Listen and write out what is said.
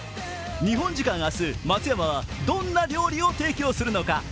日本時間明日、松山はどんな料理を提供するのか。